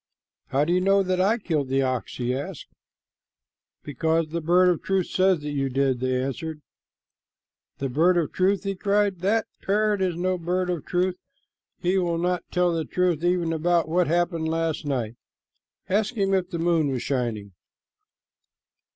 "How do you know that I killed the ox?" he asked. "Because the bird of truth says that you did," they answered. "The bird of truth!" he cried. "That parrot is no bird of truth. He will not tell the truth even about what happened last night. Ask him if the moon was shining."